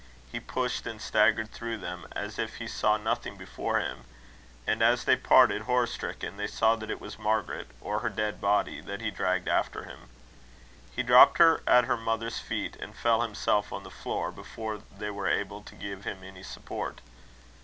He pushed and staggered through them as if he saw nothing before him; and as they parted horror stricken, they saw that it was Margaret, or her dead body, that he dragged after him. He dropped her at her mother's feet, and fell himself on the floor, before they were able to give him any support.